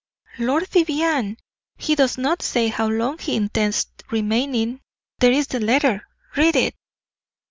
"Lord Vivianne he does not say how long he intends remaining. There is the letter; read it."